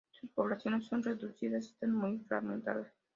Sus poblaciones son reducidas y están muy fragmentadas.